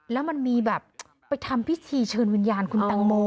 แล้วมันมีแบบไปทำพิธีเชิญวิญญาณคุณแตงโม